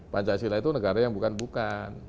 pancasila itu negara yang bukan bukan